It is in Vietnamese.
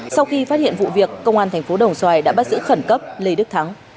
sau khi phát hiện vụ việc công an tp đồng xoài đã bắt giữ khẩn cấp lê đức thắng